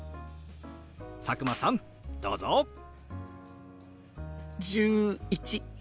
佐久間さんどうぞ！１１。